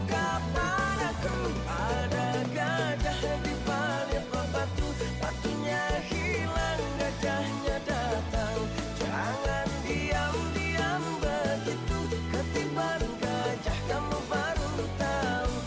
ketibaan gajah kamu baru tahu